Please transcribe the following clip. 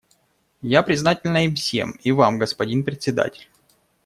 Я признательна им всем, и Вам, господин Председатель.